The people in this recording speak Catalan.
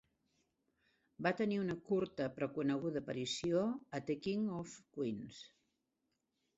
Va tenir una curta però coneguda aparició a 'The King of Queens'.